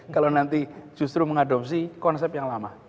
kalau nanti justru mengadopsi konsep yang lama